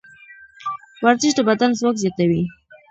ورزش د بدن ځواک زیاتوي.